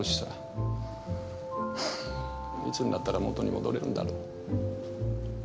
はぁいつになったら元に戻れるんだろう。